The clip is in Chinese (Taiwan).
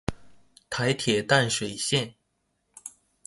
台鐵淡水線